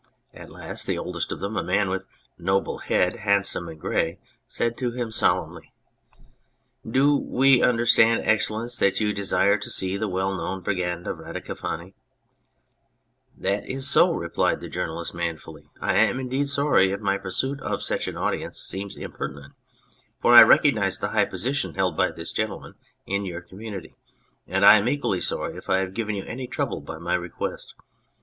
At last the oldest of them, a man with a noble head, handsome and grey, said to him solemnly "Do we understand, Excellence, that you desire to see the well known Brigand of Radicofani ?"" That is so," replied the journalist manfully. " I am indeed sorry if my pursuit of such an audience seems impertinent, for I recognise the high position held by this gentleman in your community ; and I am equally sorry if I have given you any trouble by my request.